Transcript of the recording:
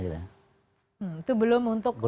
itu belum untuk tempat tinggal